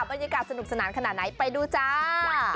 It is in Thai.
บรรยากาศสนุกสนานขนาดไหนไปดูจ้า